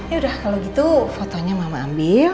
yaudah kalau gitu fotonya mama ambil